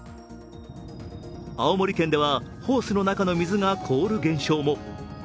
青森県ではホースの中の水が凍る現象も。